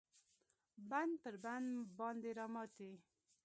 بند پر بند باندې راماتی